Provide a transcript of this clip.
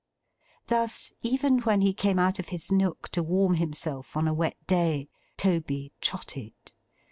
Thus, even when he came out of his nook to warm himself on a wet day, Toby trotted.